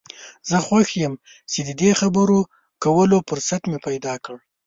زه خوښ یم چې د دې خبرو کولو فرصت مې پیدا کړ.